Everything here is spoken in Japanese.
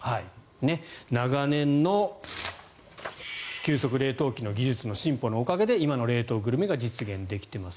長年の急速冷凍機の技術の進歩のおかげで今の冷凍グルメが実現できてます。